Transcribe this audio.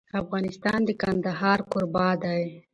افغانستان د کندهار کوربه دی.